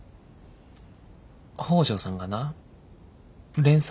北條さんがな連載